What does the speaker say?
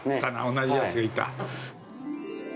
同じやつがいた。